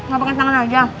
gak pakai tangan aja